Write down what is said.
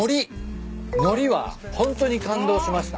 のりはホントに感動しました。